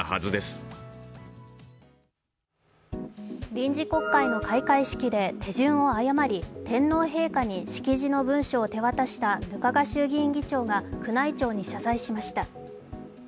臨時国会の開会式で手順を誤り天皇陛下に式辞の文書を手渡した額賀衆議院議長が宮内庁に謝罪しました。